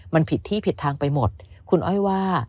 มันผิดที่ผิดทางไปหมดคุณอ้อยว่า